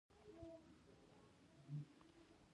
لرګي سوخت ته کارېږي.